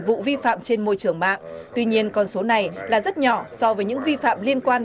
vụ vi phạm trên môi trường mạng tuy nhiên con số này là rất nhỏ so với những vi phạm liên quan